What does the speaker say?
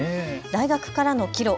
大学からの帰路。